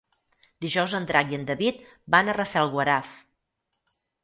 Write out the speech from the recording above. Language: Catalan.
Dijous en Drac i en David van a Rafelguaraf.